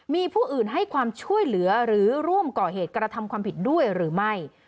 มีผู้อื่นให้ความช่วยเหลือหรือร่วมก่อเหตุกระทำความผิดด้วยหรือไม่